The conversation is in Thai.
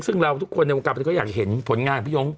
ซึ่งเราทุกคนในวงการประเทศก็อยากเห็นผลงานพี่โย้ง